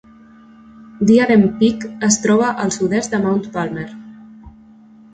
Diadem Peak es troba al sud-est de Mount Palmer.